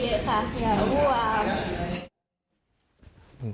อย่าห่วง